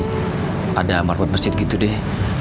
pada amat buat masjid gitu deh